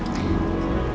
jadi ibu mau kan